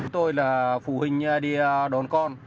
tôi là phụ huynh đi đón con